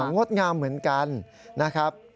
งดงามเหมือนกันนะครับ